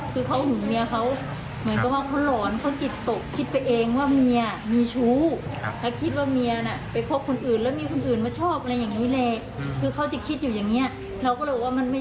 คืออยู่ด้วยกันทุกตลอด๒๔ชั่วโมงจะเอาเวลาไหนไป